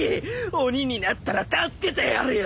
鬼になったら助けてやるよ！